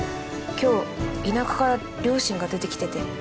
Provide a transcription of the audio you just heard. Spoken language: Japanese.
今日田舎から両親が出てきてて。